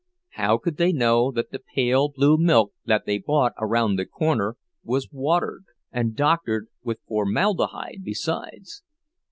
How could they know that the pale blue milk that they bought around the corner was watered, and doctored with formaldehyde besides?